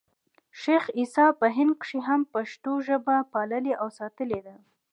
شېخ عیسي په هند کښي هم پښتو ژبه پاللـې او ساتلې ده.